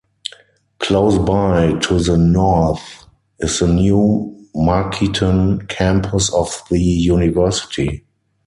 Close by to the north is the new Markeaton campus of the university.